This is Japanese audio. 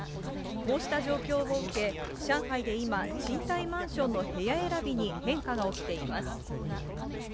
こうした状況を受け、上海で今、賃貸マンションの部屋選びに変化が起きています。